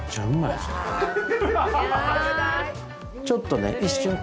ちょっとね一瞬。